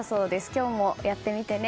今日もやってみてね。